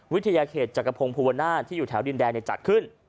วิทยาเขตจากกระพงภูมิวันหน้าที่อยู่แถวดินแดงจัดขึ้น